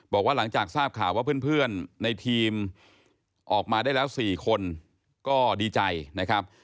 บอกว่าหลังจากทราบข่าวว่าเพื่อนในทีมออกมาได้แล้ว๔คนก็ดีใจนะครับ